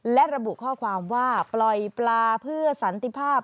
และระบุข้อความว่าปล่อยปลาเพื่อสันติภาพ